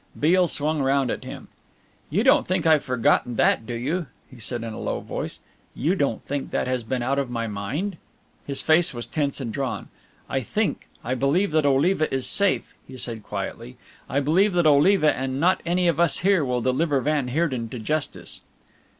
Beale swung round at him. "You don't think I've forgotten that, do you?" he said in a low voice. "You don't think that has been out of my mind?" His face was tense and drawn. "I think, I believe that Oliva is safe," he said quietly. "I believe that Oliva and not any of us here will deliver van Heerden to justice."